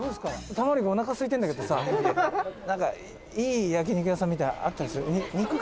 玉森君おなかすいてるんだけどさなんかいい焼肉屋さんみたいなのあったりする？」